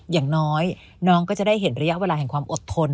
อย่างน้อยน้องก็จะได้เห็นระยะเวลาแห่งความอดทน